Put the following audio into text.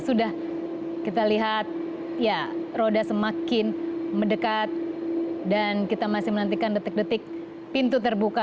sudah kita lihat ya roda semakin mendekat dan kita masih menantikan detik detik pintu terbuka